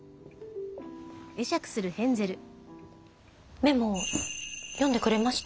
メモ読んでくれました？